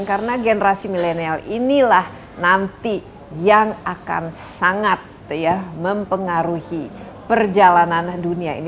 karena generasi milenial inilah nanti yang akan sangat mempengaruhi perjalanan dunia ini